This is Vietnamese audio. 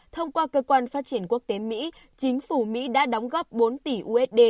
thông qua cơ quan phát triển quốc tế mỹ chính phủ mỹ đã đóng góp bốn tỷ usd